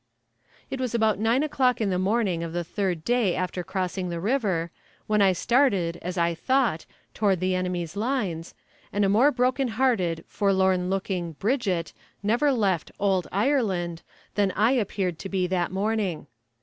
It was about nine o'clock in the morning of the third day after crossing the river, when I started, as I thought, towards the enemy's lines, and a more broken hearted, forlorn looking "Bridget" never left "ould Ireland," than I appeared to be that morning.